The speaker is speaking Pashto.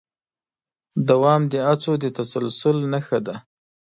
دوام د هڅو د تسلسل نښه ده.